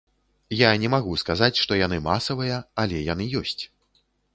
Я не магу сказаць, што яны масавыя, але яны ёсць.